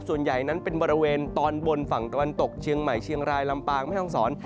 ส่วนใหญ่นั้นเป็นบริเวณตอนบนฝั่งตะวันตกเชียงใหม่เชียงรายลำปางแม่ห้องศร